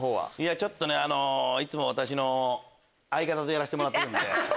ちょっとねいつも私の相方とやらしてもらってるんで。